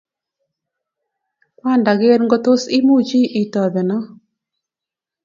Kwanda ker ngotos imuchi itobeno ?